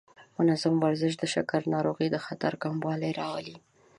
منظم ورزش د شکر ناروغۍ د خطر کموالی راولي.